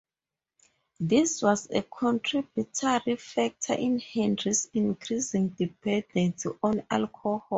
This was a contributory factor in Hendry's increasing dependence on alcohol.